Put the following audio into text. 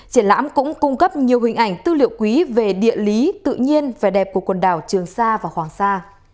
triển lãm cũng cung cấp nhiều hình ảnh tư liệu quý về địa lý tự nhiên vẻ đẹp của quần đảo trường sa và hoàng sa